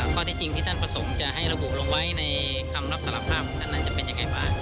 ข้อที่จริงที่ท่านประสงค์จะให้ระบุลงไว้ในคำรับสารภาพนั้นจะเป็นยังไงบ้าง